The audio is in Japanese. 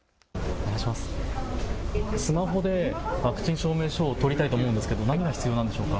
スマホでワクチン証明書を取りたいと思うんですけれども何が必要なんでしょうか。